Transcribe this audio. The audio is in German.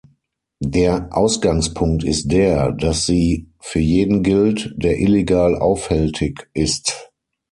Der Ausgangspunkt ist der, dass sie für jeden gilt, der illegal aufhältig ist.